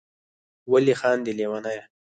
ولي خاندی ليونيه